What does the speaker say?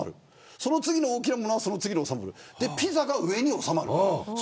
その次に大きなものはその次に収まるピザは上に収まる。